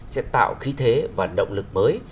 sẽ tạo khí thế và động lực mới